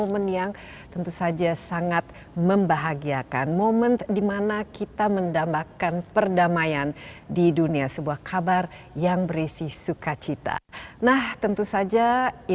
sejak tahun seribu sembilan ratus sembilan puluh tiga gereja katedral tersebut telah menjelaskan tentang peristiwa jalan salib